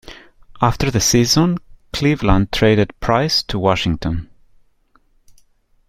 After the season, Cleveland traded Price to Washington.